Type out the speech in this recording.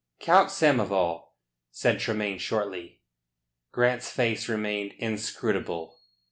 "Count Samoval," said Tremayne shortly. Grant's face remained inscrutable.